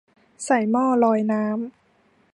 ใส่หม้อลอยน้ำ